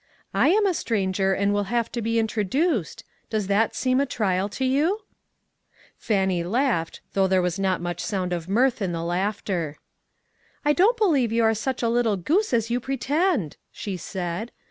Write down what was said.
I am a stranger, and will have to be introduced. Does that seem a trial to you ?" Fannie laughed, though there was not much sound of mirth in the laughter. "I don' t believe you are such a little goose as you pretend," she said.